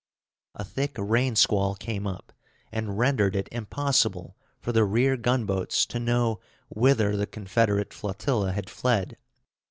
A thick rainsquall came up, and rendered it impossible for the rear gunboats to know whither the Confederate flotilla had fled.